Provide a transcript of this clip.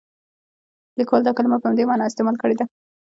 لیکوال دا کلمه په همدې معنا استعمال کړې ده.